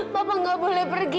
papa gak boleh pergi